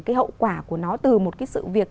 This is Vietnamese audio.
cái hậu quả của nó từ một cái sự việc